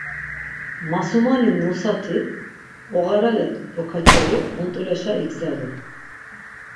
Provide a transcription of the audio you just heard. Masumani nusati oğarale dokaçeri ont̆uleşa igzalu.